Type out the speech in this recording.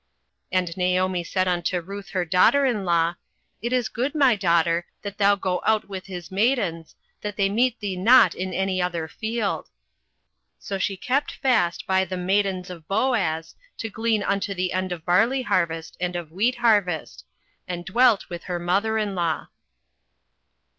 08:002:022 And Naomi said unto Ruth her daughter in law, It is good, my daughter, that thou go out with his maidens, that they meet thee not in any other field. 08:002:023 So she kept fast by the maidens of Boaz to glean unto the end of barley harvest and of wheat harvest; and dwelt with her mother in law.